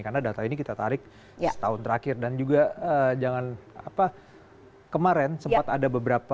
karena data ini kita tarik setahun terakhir dan juga jangan apa kemarin sempat ada beberapa